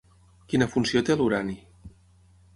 Quina funció té l'urani?